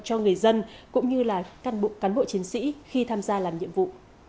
cho người dân cũng như là cán bộ chiến sĩ khi tham gia làm nhiệm vụ